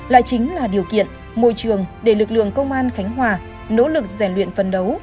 lại chính là điều kiện môi trường để lực lượng công an khánh hòa nỗ lực rèn luyện phân đấu